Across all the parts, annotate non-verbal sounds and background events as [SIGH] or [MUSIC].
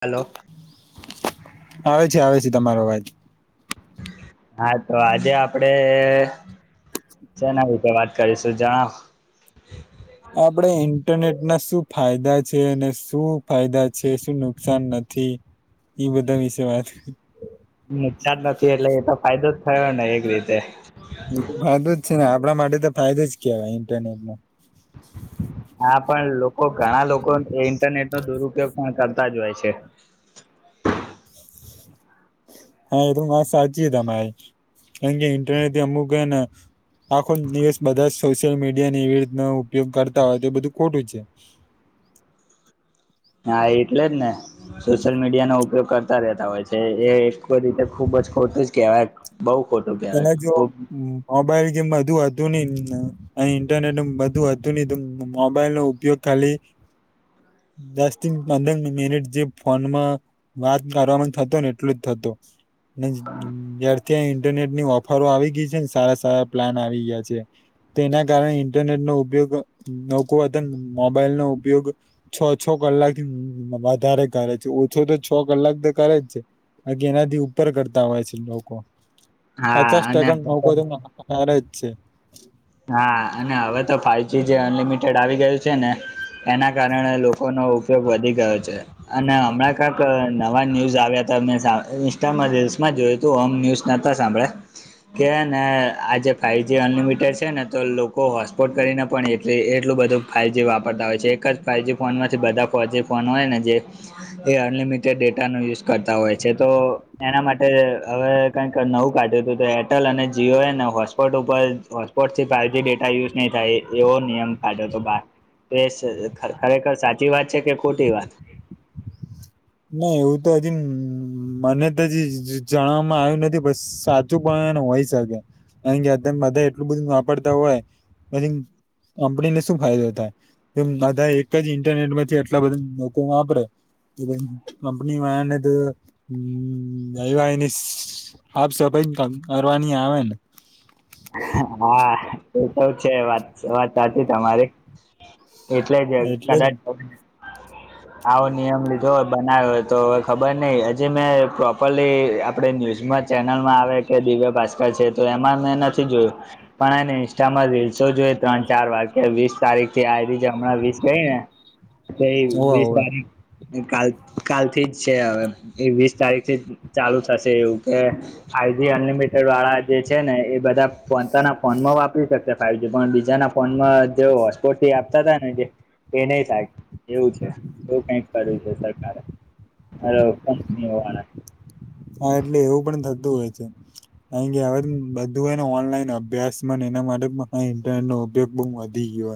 Hello. આવે છે, આવે છે, તમારો અવાજ. હા તો આજે આપડે સેના વીશ તો વાત કરીશું જણાઓ. આપણેે ઇન્ટરનેટ ના શું ફાયદા છે અને શું ફાયદા છે શું નુકસાન નથી ઈ બધા વિશે વાત. નુકશાન નથી એટલે એ તો ફાયદો જ થયો ને એક રીતે. એ તો ફાયદો જ છે ને આપણા માટે તો ફાયદો જ કેવાય ઇન્ટરનેટ નો. હા પણ લોકો ઘણા લોકો એ ઇન્ટરનેટ નો દુરુપયોગ પણ કરતા જ હોય છે. હા એ તો વાત સાચી તમારી કારણ કે ઇન્ટરનેટ થી અમુક હેન આખો દિવસ બધા સોશિયલ મીડિયાને એવી રીતનો ઉપયોગ કરતા હોય તો એ બધું ખોટું છે. હા એટલેજ ને. સોશિયલ મીડિયા નો ઉપયોગ કરતા રેતા હોય છે એ એક રીતે ખુબ જ ખોટું જ કેહેવાય. બઉ ખોટું કેવાય એના જો ખુબ. મોબાઈલ કે બધુ હતું ની અહી ઇન્ટરનેટ ને બધું હતું ની તો મોબાઈલ નો ઉપયોગ ખાલી દસ થી પંદર મિનિટ જે ફોનમાં વાત કરવા નું થતું ને એટલું જ થતું અને જ્યાર થી આ ઈન ન્ટરનેટની ઓફરો આવી ગઈ છે ને સારા સારા પ્લાન આવી ગયા છે. તેના કારણે ઇન્ટરનેટ નો ઉપયોગ લોકો અતાર મોબાઈલ નો ઉપયોગ છ છ કલાક થી વધારે કરે છે ઓછો તો છ કલાક તો કરે જ છે. બાકી એનાથી ઉપર કરતા હોય છે લોકો. પચાસ હા અને ટકા લોકો તો ક-ક-કરે જ છે. હા અને હવે તો ફાઈવજી જે અનલિમિટેડ આવી ગયું છે ને એના કારણે લોકોનો ઉપયોગ વધી ગયો છે. અને હમણાં કાક નવા ન્યૂઝ આવ્યા તા સા મે ઇન્સ્ટામાં રીલ્સમાં જોયું. તો ઓમ ન્યૂઝ નતા સાંભળ્યા કે હેને આજે ફાઇવજી અનલિમિટેડ છે ને તો લોકો હોટસ્પોટ કરીને પણ એટલી એટલું બધું ફાઇવજી વાપરતા હોય છે એક જ ફાઇવ જી ફોનમાંથી બધા ફોન હોય ને જે એ અનલિમિટેડ ડેટાનો યુઝ કરતા હોય છે તો એના માટે હવે કંઈક નવું કાઢ્યું હતું તો એરટેલ અને જીઓ હેને હોટસ્પોટ ઉપર પોટ થી ફાઇવજી ડેટા યુઝ નહી થાય એવો નિયમ કાઢ્યો તો બાર. તેએ ખરેખર સાચી વાત છે કે ખોટી વાત. ના એવું તો હજી મને તો હજી જાણવામાં આવ્યું નથી પણ સા સાચું પણ હોય શકે કારણ કે અત્યારે બધા એટલું બધું વાપરતા હોય પછી કંપની ને શું ફાયદો થાય કેમ બાધા એક જ ઇન્ટરનેટ માંથી આટલા બધા લોકો વાપરે કે ભઈ કંપની વારા ને તો હમ્મ [UNINTELLIGIBLE] ની સાફ સફાઈ કરવાની આવે ન. હા એ તો છે વાત વાત સાચી જ તમારી. એટલે જ અ એટલે કદાચ આવો નિયમ લીધો હોય બનાવ્યો હોય તો હવે ખબર નહિ હજી મેં પ્રોપરલી આપણેે ન્યૂઝમાં ચેનલમાં આવે કે દિવ્ય ભાસ્કર છે તો એમાં મેં નથ નથી જોયું પણ હેને ઇન્સ્ટામાં રીલસો જોઈ ત્રણ ચાર વાર વીસ તારીખ થી આયરી હમણાં વીસ ગઈ ને તેએ હોવે વીસ હોવે તારીખ કાલ કાલથી જ છે હવે એ વીસ તારીખ થી ચાલુ થશે એવું કે ફાઈવ જી અનલિમિટેડ વાળા જે છે ને એ બધા પોનતાના ફોન માં વાપરી શકશે ફાઈવ જી પણ બીજાના ફોનમાં જે હોસ્પોટ થી આપતા હતા ને જે એ નહી થાય એવું છે એવું કઈક કર્યું છે સરકારે. હલો કંપનીવાળા હા એટલે એવું પણ થતું હોય છે. કારણકે હવે બધું હોય ને ઓનલાઈન અભ્યાસ એના માટે ઇન્ટરનેટનો ઉપયોગ બહુ વધી ગયો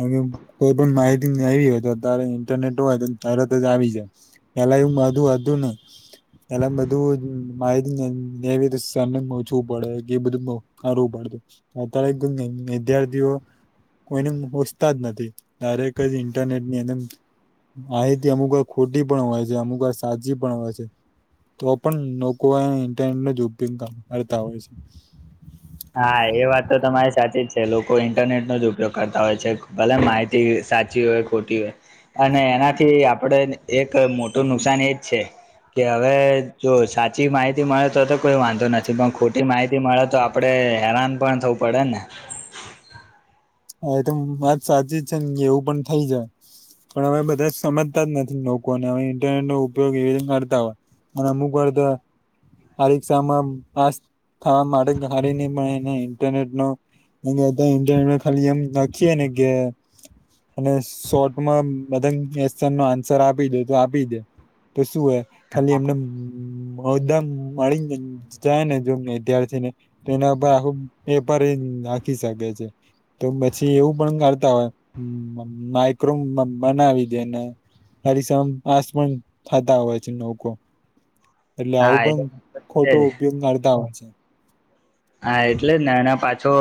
કારણ કે કોઈ પણ માહિતી મેળવી હોય તો અત્યારે ઇન્ટરનેટ હોય તો તરત જ આવી જાય પેલા એવું બાઘુ હતું ને પેલા બધું જ માહિતી ને એવી રીતે સામે પુચવું પડે એવું બધું કરવું પડતું અત્યારે તો નઈ વિદ્યાર્થીઓ કોઈને પૂછતા જ નથી ડાયરેક્ટ જ ઇન્ટરનેટની અન માહિતી અમુક વાર ખોટી પણ હોય છે અમુક વાર સાચી પણ હોય છે તો પણ લોકો આ ઇન્ટરનેટનો જ ઉપયોગ કરતા હોય છે હા એ વાત તો તમારી સાચી જ છે લોકો ઇન્ટરનેટનોજ ઉપયોગ કરતા હોય છે ભલે માહિતી સાચી હોય ખોટી હોય અને એનાથી આપડેજ એક મોટું નુકસાન એજ છે કે હવે જો સાચી માહિતી મળે તો તો કોઈ વાંધો નથી પણ ખોટી માહિતી મળે તો આપ. આપડે હેરાન પણ થવું પડે ને. હા એતો વાત સાચી જ છે, એવું પણ થઈ જાય. પણ હવે બધા સમજતા જ નથી લોકોને હવે ઇન્ટરનેટ નો ઉપયોગ એવી રીતે કરતા હોય. અને અમુક વાર્ધ આ પરિક્ષામાં પાસ. થવા માટે ધારી નહી પણ એને કેમ કે [UNINTELLIGIBLE] ઇન્ટરનેટ. [UNINTELLIGIBLE] એમ લખીએ ને કે. અને શોર્ટમાં બધા ક્વેશ્ચન નો આન્સર આપી દે તો આપી દે. તો શું હોય ખાલી એમને [INAUDIBLE] જાય ને જોમ વિદ્યાર્થી ને તો એના ઉપર આખું પેપર એ નાખી શકે છે. તો પછી એવું પણ કરતા હોય [UNINTELLIGIBLE] માઈક્રો બનાવી દે ને. અરીસા [UNINTELLIGIBLE] પાસ પણ થતા હોય છે, લોકો. એટલે હા આવું એ તો પણ છે ખોટો જ ઉપયોગ કરતા હોય છે. હા એટલે ને એના પાછો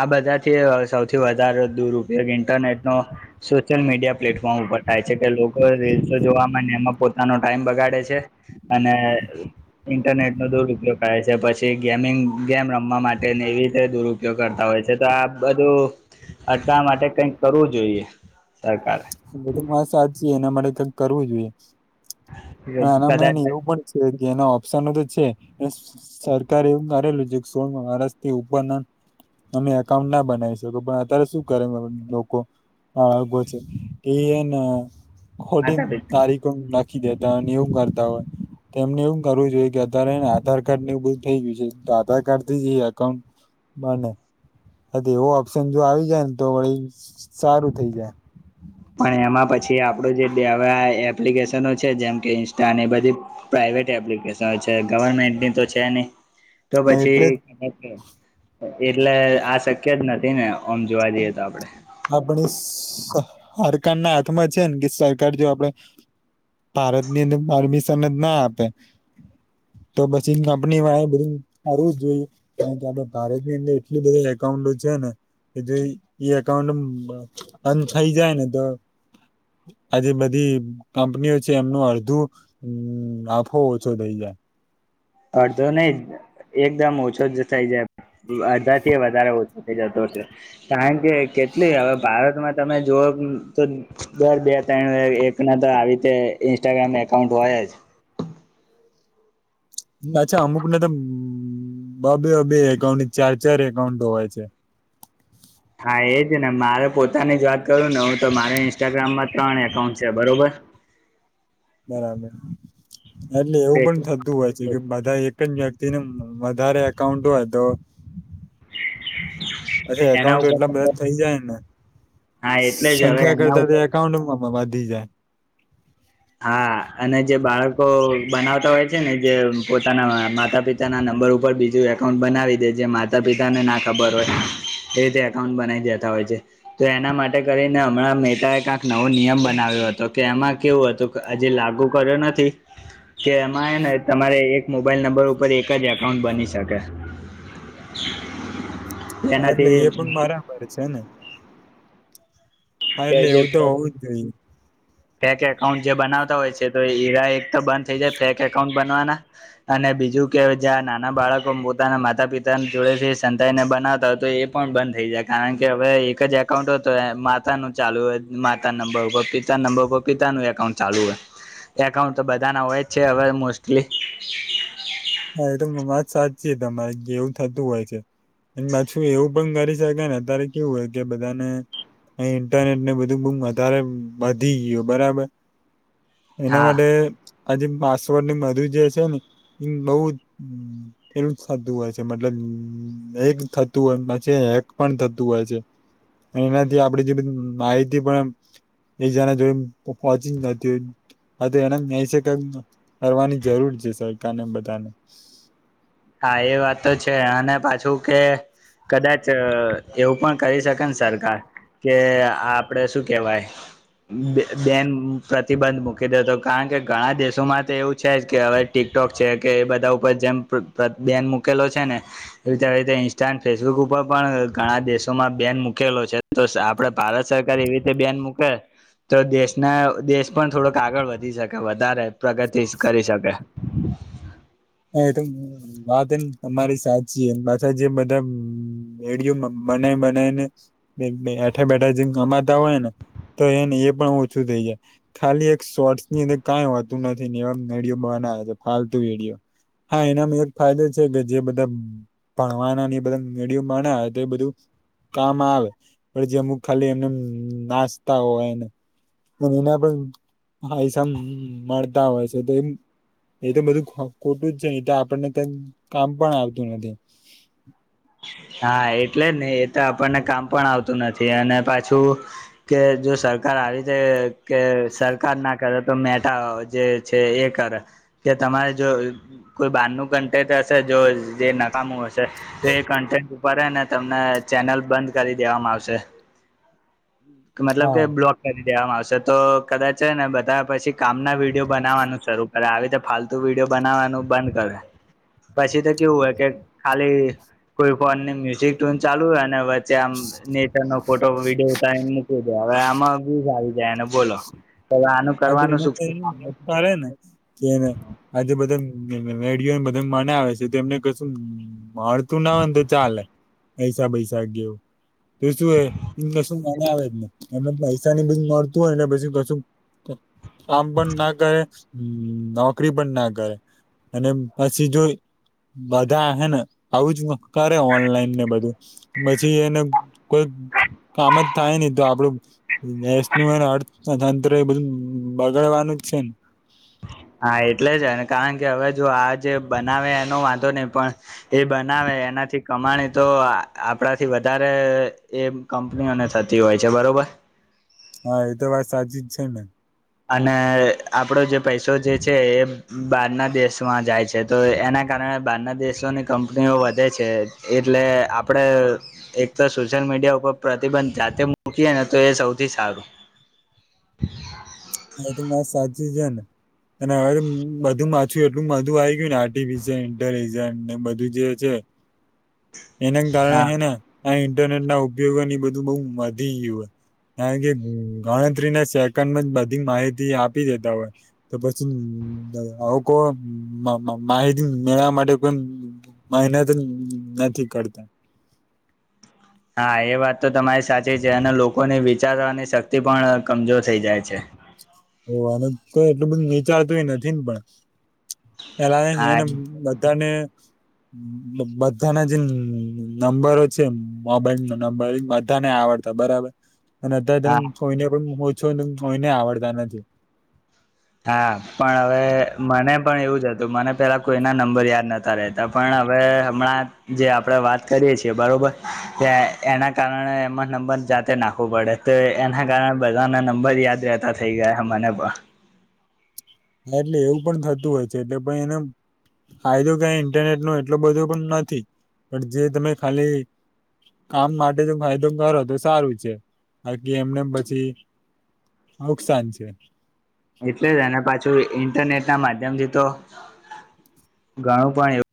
આ બધા થી એ સૌથી વધારે દુરઉપયોગ ઇન્ટરનેટ નો. [UNINTELLIGIBLE] મીડિયા પ્લેટફોર્મ ઉપર થાય છે, કે લોકો રીલ્સો જોવામાં અન એમાં પોતાનો ટાઈમ બગાડે છે. અને ઇન્ટરનેટ નો દુરઉપયોગ કરે છે, પછી ગેમિંગ. ગેમ રમવા માટે એવી રીતે દુરઉપયોગ કરતા હોય છે, તો આ બધું. અટલા માટે કઈક કરવું જોઈએ સરકારે. એતો વાત સાચી એના માટે [UNINTELLIGIBLE] કરવું જોઈએ. હા એના મને કદાચ એવું પણ છે, કે એના ઓપ્શન તો છે, [UNINTELLIGIBLE] સરકારે એવું કરેલું છે, સોળ [UNINTELLIGIBLE] થી ઉપર ના. તમે એકાઉન્ટ ના બનાવી શકો પણ અત્યારે શું કરે પણ લોકો. હા [UNINTELLIGIBLE] છે, એયે ને ખોટી માતા પિતા તારીખ પણ નાખી દે. અન એવું કરતા હોય. તો એમણે એવું કરવું જોઈએ કે અત્યારે એને આધાર કાર્ડ ને એ બધું થઈ ગયું છે, તો આધાર કાર્ડ થી જ એકાઉન્ટ? બને અન એવો ઓપ્શન જો આવી જાય ને તો વહી સારું થઈ જાય. પણ એમાં પછી આપડું જેવા એપ્લિકેશનો છે, જેમ કે ઈન્સ્ટા ને બધી. પ્રાાઈવેટ એપ્લિકેશન છે, ગવર્મેન્ટની તો છે, નહી તો જાય પછી એજ એટલે જ [UNINTELLIGIBLE] એટલે આ શક્ય જ નથી ને ઑમ જોવા જઈએ તો આપડે. આપણી [UNINTELLIGIBLE] ના હાથમાં છે, ને કે સરકાર જો આપણે. ભારત ની અંદર પરમિશનજ ના આપે. તો પછી કંપની [UNINTELLIGIBLE] બધું કાઢવું જોઈએ. કેમ કે આતો ભારતની અંદર એટલા બધા એકાઉન્ટ છે, [UNINTELLIGIBLE] કહેવાનો [INAUDIBLE] મતલબ બંધ થઈ જાય ને તો. આ જે બધી કંપનીઓ છે, એમનું અરધું. [UNINTELLIGIBLE] ઓછો થઈ જાય. અડધો નય એકદમ ઓછો જ થઇ જાય આધા થીય વધારે ઓછો થઇ જતો હશે. કારણ કે કેટલી હવે ભારતમાં તમે જોઓ બ તો દર બે [UNINTELLIGIBLE] એક. ના તો આવી તે ઇન્સ્ટાગ્રામમાં એકાઉન્ટ હોય જ. અચ્છા અમુક ને તો [UNINTELLIGIBLE] બે અ બે એકાઉન્ટ ની ચાર ચાર એકાઉન્ટો હોય છે. હા એ જ ને મારે પોતાની જ વાત કરું ને હું તો મારે ઇન્સ્ટાગ્રામમાં ત્રણ એકાઉન્ટ છે, બરોબર. બરાબર એટલે એવું પણ થતું હોય. ચે કે બધાયે એક જ વ્યક્તિને વધારે એકાઉન્ટ હોય તો. [UNINTELLIGIBLE] એના એકાઉન્ટો એટલા બધા ઉપર થઇ જાય ને હા એટલે જ હવે સંખ્યા એના કરતા ઉપર [UNINTELLIGIBLE] એઉન્ટમાં બાંધી જાય. હા અને જે બાળકો બનાવતા હોય છે, ને જે પોતાના માતા-પિતા. [UNINTELLIGIBLE] નંબર ઉપર બીજું એકાઉન્ટ બનાવી દે જે માતા-પિતા ને ના ખબર હોય. એ રીતે એકાઉન્ટ બનાવી દેતા હોય છે. તો એના માટે કરીને અમણાં મેટા એ કાક નવો નિયમ બનાવ્યો અતો કે એમાં કેવું હતું. અજી લાગુ કર્યો નથી. કે એમાં હે ને તમારે એક મોબાઈલ નંબર ઉપર એક જ એકાઉન્ટ બની શકે. [INAUDIBLE] એટલે તેનાથી એ પણ બરાબર છે ને. હા તે એટલે જે એવું તો હોઉ જ જોઇએ. ફેક એકાઉન્ટ જે બનાવતા હોય છે તો ઈરા એક તો બંધ થઈ જાય ફેક એકાઉન્ટ બનવાના. અને બીજું કે જ્યાં નાના બાળકો પોતાના માતા-પિતા ને જોડેથી સંતાયને બનાવતા હોય તો એ. પણ બંધ થઈ જાય કારણ કે હવે એક જ એકાઉન્ટ હોય તો એ માતા નું ચાલું હોય માતા નંબર ઉપર પિતા નંબર ઉપ પ પિતા નું એકાઉન્ટ ચાલુ હોય એકાઉન્ટ તો બધાના હોય ચ છે હવે મોસ્ટલી હા એ તો મ વાત સાચી તમારી કે એવું થતું હોય છે. એન બાછું એવું પણ કરી શકાય ને અત્યારે કેવું હોય કે બધાને એ ઇન્ટરનેટ ને બધું બૂમ વધારે વધી ગીયું બરાબર એના હા માટે આજેમ પાસવર્ડ ની મધુ જે છે ને એ બઉ એવું જ સધું હોય છે મતલબ. એક થતું હોય પછી હેક પણ થતું હોય છે. એનાથી આપડી જે બધી માહિતી પણ એમ એજાને જોઇ પોચી જ નતી હોય. હ તો એને મેઇશે કઇ કરવાની જરૂર છે સરકાર ને એ બધાને. હા એ વાત તો છે અને પાછું કે. કદાચ એવું પણ કરી શકે ને સરકાર. કે આપડે શું કેવાય. બે બેન પ્રતિબંધ મૂકી દ હતો કારણ કે ઘણા દેશોમાં તો એવું છે જ કે હવે. ટિકટોક છે કે એ બધા ઉપર જેમ બન મૂકેલો છે ને. એવી રીતે રીતે ઇન્સ્ટા ફેસબુક ઉપર પણ ઘણા દેશોમાં બેન મૂકેલો છે. તો આપડે ભારત સરકાર એવી રીતે બેન મુકે. તો દેશનાવ દેશ પણ થોડોક આગળ વધી શકે વધારે પ્રગતિ કરી શકે. હા એ તો વાત એમ તમારી સાચી એમ પાછા જે બધા મેડિયુંમમ બનાય બનાઈ ને બેઠા બેઠા જેમ કમાતા હોય ને તો એ ની એ પણ ઓછું થઇ જાય. ખાલી એક શોર્ટસની અંદ કાઈ હોતું નથી ને એવામ વીડિયો બનાવે ત ફાલતુ વિડિયો. હા એનામાં એક ફાયદો છે કે જે બધા ભણવાના ને બધા વીડિયો તે એ બધું કામ આવે પણ જે અમુક ખાલી એમનેમ નાચતા હોયને. અને એના પણ ફાયસામ મળતા હોય છે તો એમ એ તો બધું ખોટું જ છે ન એ તો આપણને ત કામ પણ આવતું નથી. હા એટલે જ ને એ તો આપણને કામ પણ આવતું નથી અને પાછું. કે જો સરકાર આ રીતે કે સરકાર ના કરે તો તો મેટા અ જે છે એ કરે કે તમારે જો કોઈ બારનું કંટેટ હશે જો જે નકામું હશે. કન્ટેન્ટ ઉપને તમને ચેનલ બંધ કરી દેવામાં આવશે. મતલબ હા કે બ્લોગ કરી દેવામાં આવશે તો કદાચ ને બધા પછી કામના વિડીિયો બનાવાનું સરૂ. અ આવી રીતે ફાલતુ વિડીયો બનાવવાનું બંધ કરે પછી તો કેવું હોય કે ખાલી. કોઈ ફોન ની મ્યુઝિક ટન ચાલુ હોય ને વચ્ચે આમ નેટ નો ફોટો વિડીયો ત મૂક દે હવે આમાં બુઝ આવી જાય અનેને બોલો તો હવે આનું અ કરવાનું કીનો શું કરીને તેને. આજે બધા મેડયોને બધા મને આવે છે તો એમને કશું. મળતું ના હોયને તો ચાલે હૈસા પૈસા એવું. તો શું એમ કશું મોઘા આવે ને એમને પૈસા ની બધી મળતું હોય પછી કશું. કામ પણ ના કરે નોકરી પણ ના કરે. અને પછી જો બધા હે ને આવું જ કરે ઓનલાઈન ને બધું. પછી એને કોઈ. કામ જ થાય નહી તો આપડું દેશ નુ અર્થતંત્ર. તંત્ર બધું બગાડવાનું જ છે. હા એટલે જ કારણ કે હવે જો આ જે બનાવે એનો વાંધો નહી પણ એ બનાવે એનાથી કમાણી તો આપણાથી વધારે એ. કંપનીઓને થતી હોય છે બરોબર. હા એ તો વાત સાચી જ છે ને. અને આપડો જે પૈસો જે છે એ બહારના દેશમાં જાય છે. તો એના કારણે બહારના દેશોની કંપનીઓ વધે છે એટલે આપણે એક તો સોશિયલ મીડિયા ઉપર પ્રતિબંધ જાતે મૂકીય ને તો એ સૌથી સારું. હા તો વાત સાચી છે ને. અને હવે બધું માછું એટલું બધું આવી ગયું ને આર્ટિફિજાઇન ઇન્ટેલજન્ટ બધું જે છે. [UNINTELLIGIBLE] એના કારણે હા હે ને આ ઇન્ટરનેટ ના ઉપયોગોની બધું બહુ વધી ગયું હે. કારણ કે ગણતરીને સેકન્ડમાં બધી માહિતી આપી દેતા હોય. તો પછી આવી કોઈ માહિતી મેળવવા માટે કોઈ. મહેનત નથી કરતા. હા એ વાત તો તમારી સાચી છે અને લોકોની વિચારવાની શક્તિ પણ કમજોર થઈ જાય છે. ઓ આ બધું એટલું બધું વિચારતુ નથી ને પણ એલા હા એને બધાને. બધાના જે નંબરો છે મોબાઈલ નો નંબર બધાને આવડતા બરાબર. અને અત્યારે તમે હા કોઈને પણ ઓ છું ત કોઈને આવડતા નથી. હા પણ હવે મને પણ એવું જ હતું મને. પેલા કોઈના નંબર યાદ નોતા રહેતા પણ હવે હમણાં જે આપણે વાત કરીએ છીએ બરોબર. એના કારણે એમાં નંબર જાતે નાખવો પડે તો એના કારણે બધાને નંબર યાદ રહે. થઈ ગયા મને પણ હા એટલે એવું પણ થતું હોય છે એટલે ભ‌ઈ એમ. ફાયદો ક‌ઇ ઇન્ટરનેટ નો એટલો બધો પણ નથી પણ જે તમે ખાલી. કામ માટે જો ફાયદો કરો તો સારું છે બાકી એમને પછી નુકસાન છે. એટલે જ અને પાછું ઇન્ટરનેટ ના માધ્યમથી તો ઘણું પણ એવું.